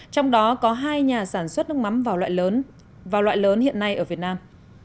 trong đó có hai nhà sản xuất nước mắm vào loại lớn hiện nay ở việt nam